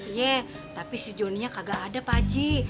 iya tapi si joninya kagak ada pak haji